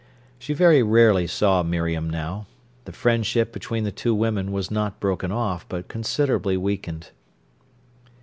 She very rarely saw Miriam now. The friendship between the two women was not broken off, but considerably weakened.